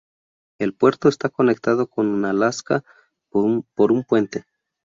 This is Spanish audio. El puerto está conectado con Unalaska por un puente.